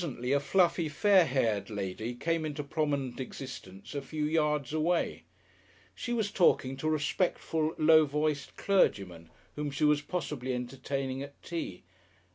Presently a fluffy, fair haired lady came into prominent existence a few yards away. She was talking to a respectful, low voiced clergyman, whom she was possibly entertaining at tea.